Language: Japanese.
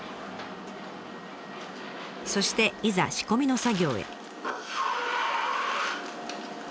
そしていざ仕込みの作業へ。